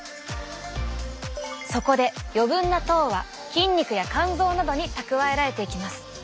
そこで余分な糖は筋肉や肝臓などに蓄えられていきます。